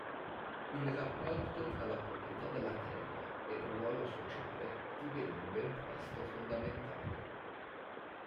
Il rapporto tra la proprietà della terra e ruolo sociale divenne ben presto fondamentale.